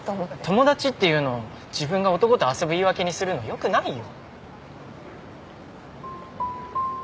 友達っていうのを自分が男と遊ぶ言い訳にするの良くないよ。